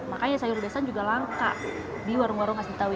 makanya sayur besan juga langka di warung warung khas betawi